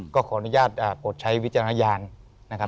ก็ขออนุญาตโปรดใช้วิจารณญาณนะครับ